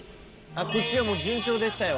こっちはもう順調でしたよ。